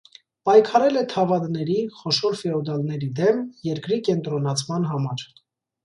Պայքարել է թավադների (խոշոր ֆեոդալների) դեմ՝ երկրի կենտրոնացման համար։